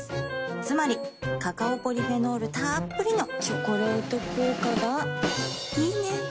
つまりカカオポリフェノールたっぷりの「チョコレート効果」がいいね。